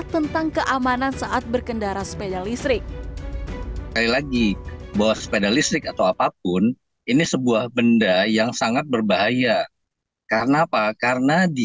menanggapi lemahnya aturan sepeda listrik padahal sudah ada korban jiwa pakar otomotif